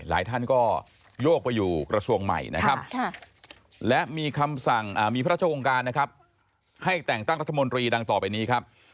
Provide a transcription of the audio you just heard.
หลายท่านก็โยกไปอยู่กระทรวงใหม่นะครับและมีพระราชกองการให้แต่งตั้งรัฐมนตรีดังต่อไปนี้ครับ